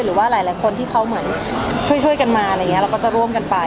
หรือว่าหลายคนที่เขาเหมือนช่วยกันมาแล้วก็จะร่มกันไป